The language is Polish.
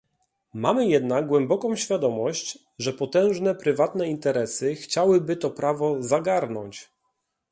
Mamy jednak głęboką świadomość, że potężne prywatne interesy chciałyby to prawo zagarnąć